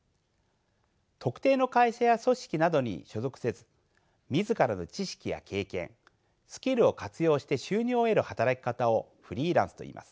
特定の会社や組織などに所属せず自らの知識や経験スキルを活用して収入を得る働き方をフリーランスといいます。